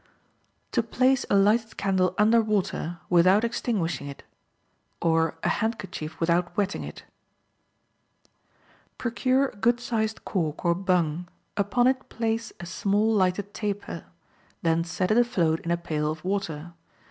To Place a Lighted Candle Under Water, Without Extinguishing It; Or a Handkerchief Without Wetting It.—Procure a good sized cork, or bung; upon it place a small lighted taper; then set it afloat in a pail of water.